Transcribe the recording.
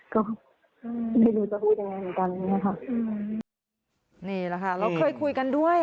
ก็ไม่รู้จะพูดยังไงเหมือนกันอย่างเงี้ยค่ะนี่แหละค่ะเราเคยคุยกันด้วย